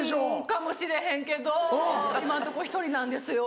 かもしれへんけど今んとこ１人なんですよ。